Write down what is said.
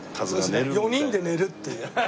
４人で寝るっていう。